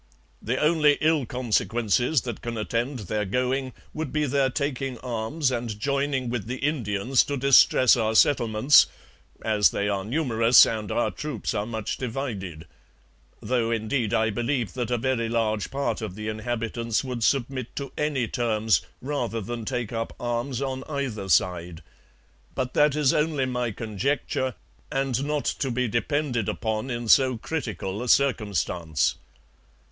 The only ill consequences that can attend their going would be their taking arms and joining with the Indians to distress our settlements, as they are numerous and our troops are much divided; tho' indeed I believe that a very large part of the inhabitants would submit to any terms rather than take up arms on either side; but that is only my conjecture, and not to be depended upon in so critical a circumstance.